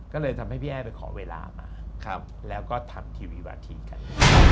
ก็เลยทำให้พี่แอ้ไปขอเวลามาแล้วก็ทำทีวีวาทีกัน